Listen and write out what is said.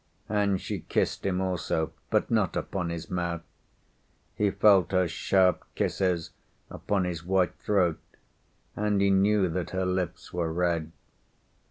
And she kissed him also, but not upon his mouth. He felt her sharp kisses upon his white throat, and he knew that her lips were red.